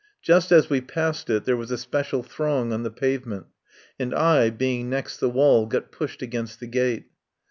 Just as we passed it there was a special throng on the pavement and I, being next the wall, got pushed against the gate.